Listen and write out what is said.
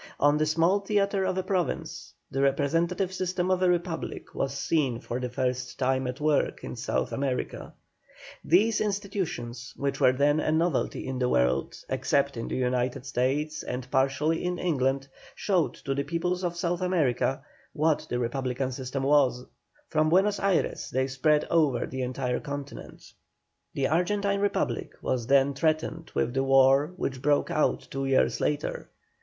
On the small theatre of a province, the representative system of a republic was seen for the first time at work in South America. These institutions, which were then a novelty in the world, except in the United States and partially in England, showed to the peoples of South America what the republican system was; from Buenos Ayres they spread over the entire Continent. The Argentine Republic was then threatened with the war which broke out two years later.